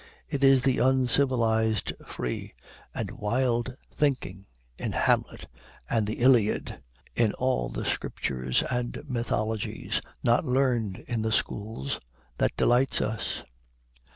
It is the uncivilized free and wild thinking in Hamlet and the Iliad, in all the scriptures and mythologies, not learned in the schools, that delights us.